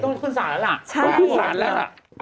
ต้องขึ้นศาลแล้วล่ะ